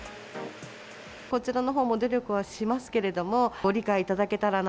こちらのほうも努力はしますけれども、ご理解いただけたらな。